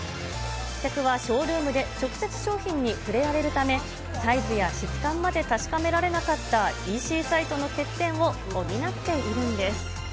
客はショールームで直接商品に触れられるため、サイズや質感まで確かめられなかったＥＣサイトの欠点を補っているんです。